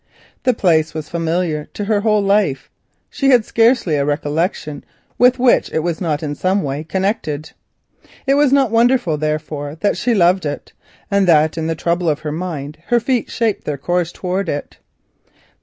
The place was familiar to her whole life; she had scarcely a recollection with which it was not in some way connected. It was not wonderful, therefore, that she loved it, and that in the trouble of her mind her feet shaped their course towards it.